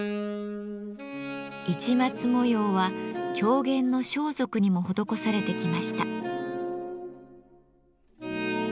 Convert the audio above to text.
市松模様は狂言の装束にも施されてきました。